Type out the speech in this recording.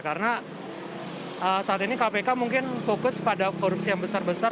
karena saat ini kpk mungkin fokus pada korupsi yang besar besar